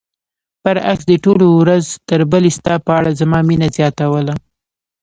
برعکس دې ټولو ورځ تر بلې ستا په اړه زما مینه زیاتوله.